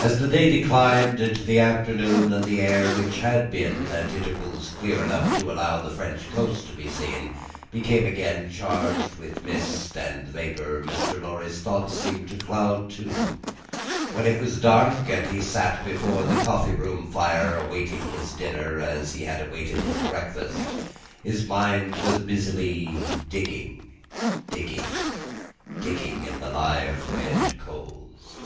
As the day declined into the afternoon, and the air, which had been at intervals clear enough to allow the French coast to be seen, became again charged with mist and vapour, Mr. Lorry's thoughts seemed to cloud too. When it was dark, and he sat before the coffee room fire, awaiting his dinner as he had awaited his breakfast, his mind was busily digging, digging, digging, in the live red coals.